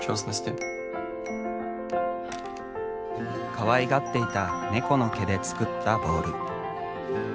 かわいがっていたネコの毛で作ったボール。